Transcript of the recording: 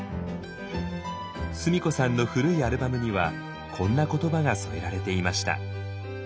須美子さんの古いアルバムにはこんな言葉が添えられていました。